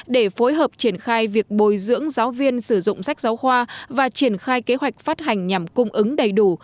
để phối hợp triển khai việc bồi dưỡng giáo viên sử dụng sách giáo khoa và triển khai kế hoạch phát hành nhằm cung ứng đầy đủ